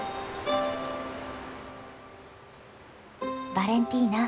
バレンティーナ